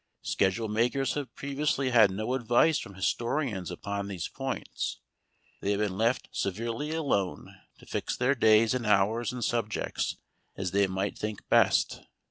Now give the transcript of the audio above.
Schedule makers have previously had no advice from historians upon these points; they have been left severely alone to fix their days and hours and subjects as they might think best.